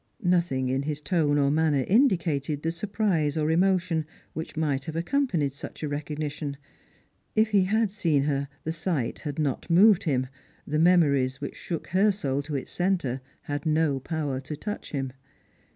Nothing in his tone or manner indicated the surprise or emo tion which might have accompanied such a recognition. If he had seen her the sight had not moved him, the memories which shook her soul to its centre had no power to touch him.